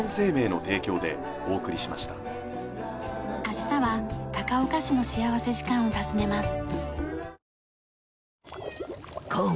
明日は高岡市の幸福時間を訪ねます。